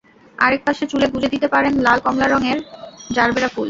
আরেক পাশে চুলে গুঁজে দিতে পারেন লাল, কমলা রঙের জারবারা ফুল।